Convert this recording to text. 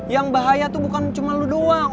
yang bahaya itu bukan cuma lu doang